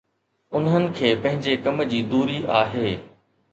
انهن کي پنهنجي ڪم جي دوري آهي.